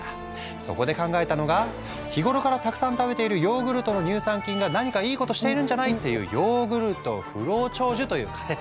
そこで考えたのが日頃からたくさん食べているヨーグルトの乳酸菌が何かいいことしているんじゃない？っていうヨーグルト不老長寿という仮説。